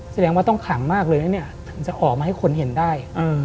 แสดงว่าต้องขังมากเลยนะเนี่ยถึงจะออกมาให้คนเห็นได้